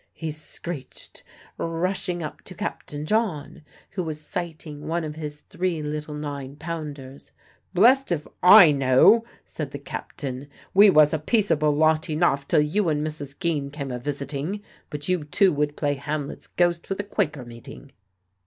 he screeched, rushing up to Captain John, who was sighting one of his three little nine pounders. "Blest if I know!" said the captain. "We was a peaceable lot enough till you and Mrs. Geen came a visiting; but you two would play Hamlet's ghost with a Quaker meeting."